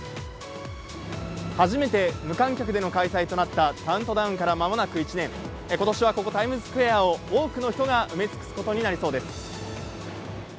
初めて無観客での開催となったカウントダウンからまもなく１年、ことしはここ、タイムズスクエアを多くの人が埋め尽くすことになりそうです。